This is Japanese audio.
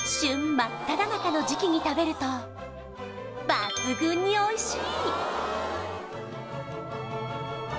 真っただ中の時期に食べると抜群においしい！